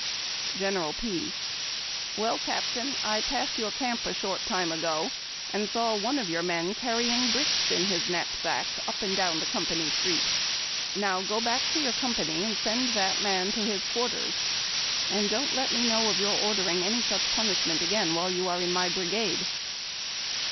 General P. —" Well, Captain, I passed your camp a short time ago and saw one of your men carrying bricks in his knapsack up and down the company street. Now, go back to your company, send that man to _•^ I J ' POSTED. his quarters, and don't let me know of your ordering any such punishment again while you are in my brigade."